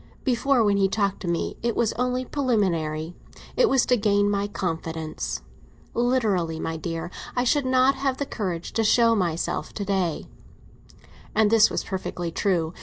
"Before, when he talked to me, it was only preliminary—it was to gain my confidence. Literally, my dear, I should not have the courage to show myself to day." And this was perfectly true.